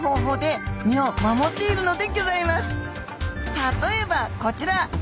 例えばこちら。